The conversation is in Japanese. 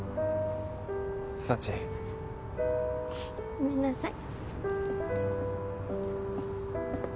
ごめんなさい。